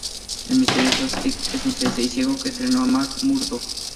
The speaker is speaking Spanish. El misterioso Stick es un sensei ciego que entrenó a Matt Murdock.